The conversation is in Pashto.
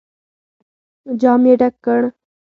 جام يې ډک کړ.